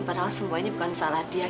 padahal semuanya bukan salah dia